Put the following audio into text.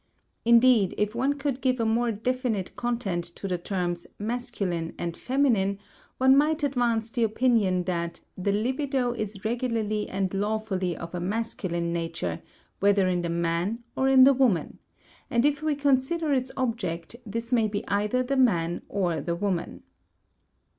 Indeed, if one could give a more definite content to the terms "masculine and feminine," one might advance the opinion that _the libido is regularly and lawfully of a masculine nature, whether in the man or in the woman; and if we consider its object, this may be either the man or the woman_.